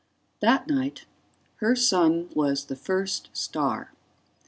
_ That night her son was the first star.